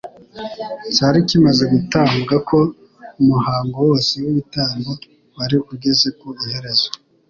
cyari kimaze gutambwa ko umuhango wose w'ibitambo wari ugeze ku iherezo.